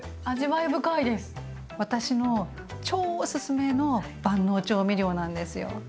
私の超おすすめの万能調味料なんですよ。